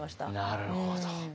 なるほど。